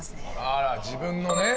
あら自分のね。